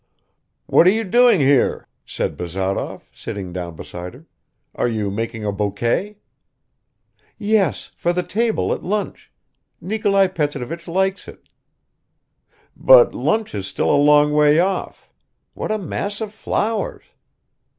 "What are you doing here?" said Bazarov, sitting down beside her. "Are you making a bouquet?" "Yes, for the table at lunch. Nikolai Petrovich likes it." "But lunch is still a long way off. What a mass of flowers."